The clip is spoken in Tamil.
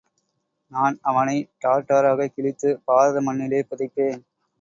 நான் அவனை டார் டாராகக் கிழித்து பாரத மண்ணிலே புதைப்பேன்.